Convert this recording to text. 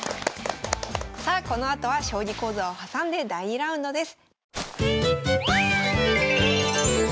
さあこのあとは将棋講座を挟んで第２ラウンドです。